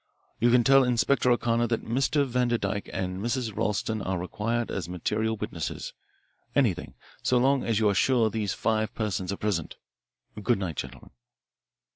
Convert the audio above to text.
You can tell Inspector O'Connor that Mr. Vanderdyke and Mrs. Ralston are required as material witnesses anything so long as you are sure that these five persons are present. Good night, gentlemen."